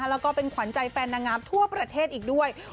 แล้วก็เป็นขวัญใจแฟนนางงามทั่วประเทศอีกด้วย